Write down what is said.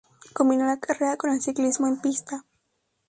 Combinó la carretera con el ciclismo en pista.